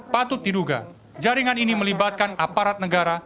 patut diduga jaringan ini melibatkan aparat negara